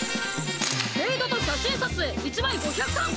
メイドと写真撮影１枚５００旦！